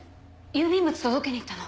郵便物届けに行ったの。